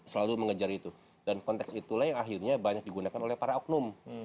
selalu mengejar itu dan konteks itulah yang akhirnya banyak digunakan oleh para oknum